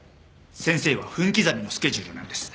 先生は分刻みのスケジュールなんです。